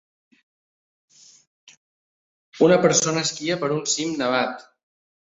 Una persona esquia per un cim nevat.